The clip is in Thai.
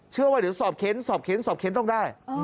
ว่าเดี๋ยวสอบเค้นสอบเค้นสอบเค้นต้องได้